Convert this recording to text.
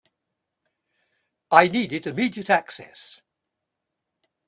I needed immediate access.